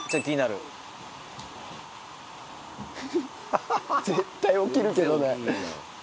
フフっ絶対起きるけどね。